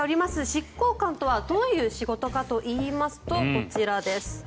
執行官とはどういう仕事かというとこちらです。